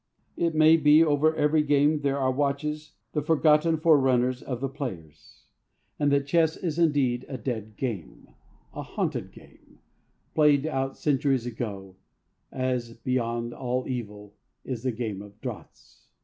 It may be over every game there watches the forgotten forerunners of the players, and that chess is indeed a dead game, a haunted game, played out centuries ago, even, as beyond all cavil, is the game of draughts.